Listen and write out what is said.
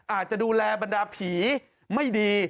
อาจจะดูแลบรรดาผีไม่ดี